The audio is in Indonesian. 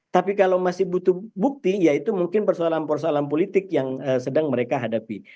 tapi kalau masih butuh bukti ya itu mungkin persoalan persoalan politik yang sedang mereka hadapi